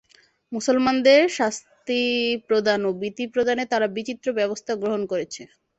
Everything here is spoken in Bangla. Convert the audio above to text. মুসলমানদের শাস্তি প্রদান ও ভীতি প্রদানে তারা বিচিত্র ব্যবস্থা গ্রহণ করেছে।